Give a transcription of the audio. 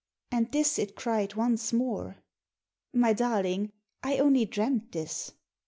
And this it cried once more. 'My darling, I only dreamt this.